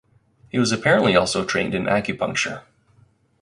He was apparently also trained in acupuncture.